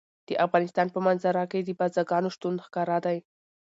د افغانستان په منظره کې د بزګانو شتون ښکاره دی.